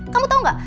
kamu tau gak